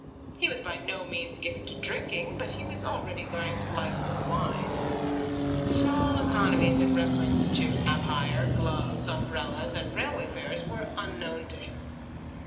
He was by no means given to drinking, but he was already learning to like good wine. Small economies in reference to cab hire, gloves, umbrellas, and railway fares were unknown to him.